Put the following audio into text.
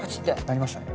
鳴りましたね。